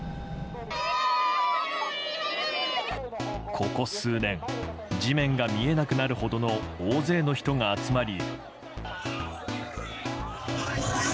ここ数年地面が見えなくなるほどの大勢の人が集まり。